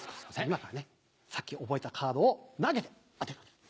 今からねさっき覚えたカードを投げて当てる。